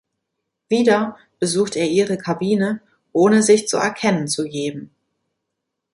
Wieder besucht er ihre Kabine, ohne sich zu erkennen zu geben.